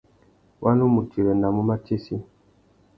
Wa nu mù tirenamú matsessi.